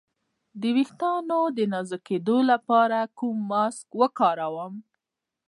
د ویښتو د نازکیدو لپاره کوم ماسک وکاروم؟